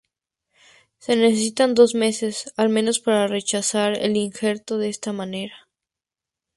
Se necesitan dos meses, al menos, para rechazar el injerto de esta manera.